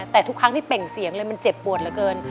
แต่ทุกครั้งที่เป่งเสียงเลยมันเจ็บปวดเหลือเกิน